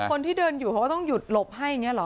คนที่เดินอยู่เขาก็ต้องหยุดหลบให้อย่างนี้เหรอ